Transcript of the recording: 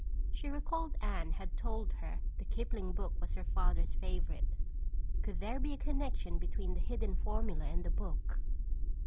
She recalled Anne had told her the Kipling book was her father's favorite. Could there be a connection between the hidden formula and the book?